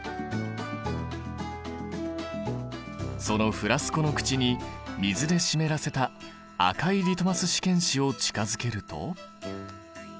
そのフラスコの口に水で湿らせた赤いリトマス試験紙を近づけると。